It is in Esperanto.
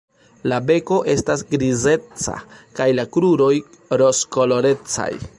La beko estas grizeca kaj la kruroj rozkolorecaj.